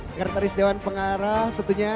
sekretaris dewan pengarah tentunya